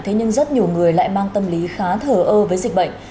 thế nhưng rất nhiều người lại mang tâm lý khá thờ ơ với dịch bệnh